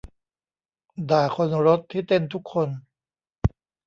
ด่าคนรถที่เต้นทุกคน